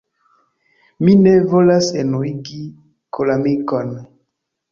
Mi ne volas enuigi koramikon.